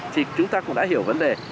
thì chúng ta cũng đã hiểu vấn đề